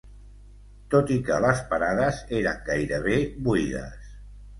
...tot i que les parades eren gairebé buides